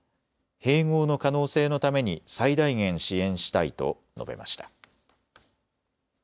併合の可能性のために最大限支援したいと述べました。